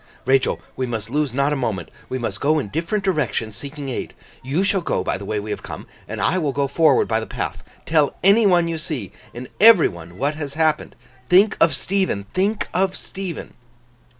'Rachael, we must lose not a moment. We must go in different directions, seeking aid. You shall go by the way we have come, and I will go forward by the path. Tell any one you see, and every one what has happened. Think of Stephen, think of Stephen!